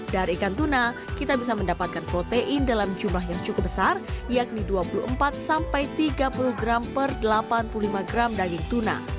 dari ikan tuna kita bisa mendapatkan protein dalam jumlah yang cukup besar yakni dua puluh empat sampai tiga puluh gram per delapan puluh lima gram daging tuna